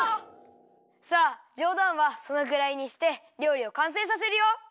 さあじょうだんはそのぐらいにしてりょうりをかんせいさせるよ！